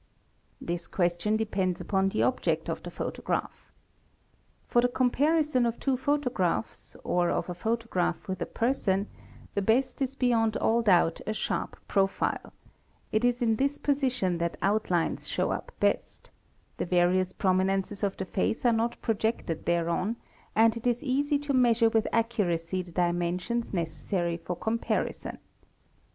This question depends upon the object of the photograph. For the comparison of two photographs, or of a photograph with a person, the — best is beyond all doubt a sharp profile; it is in this position that outlines — show up best; the various prominences of the face are not projected thereon, and it is easy to measure with accuracy the dimensions necessary for comparison.